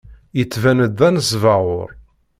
Yettban-d d anesbaɣur.